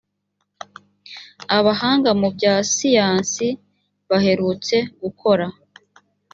abahanga mu bya siyansi baherutse gukora